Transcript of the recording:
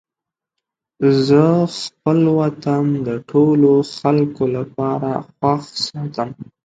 زه خپل وطن د ټولو خلکو لپاره خوښ ساتم.